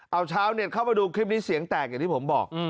เอาชาวเน็ตเข้ามาดูคลิปนี้เสียงแตกอย่างที่ผมบอก